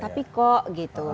tapi kok gitu